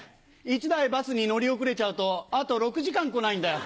１台バスに乗り遅れちゃうとあと６時間来ないんだよ。